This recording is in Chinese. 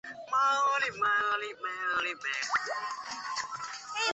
圣艾智德堂与毗邻的前加尔默罗会修道院为圣艾智德团体的总部。